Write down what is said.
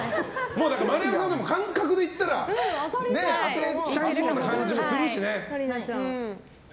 丸山さん、感覚で言ったら当てちゃいそうな感じもするしね。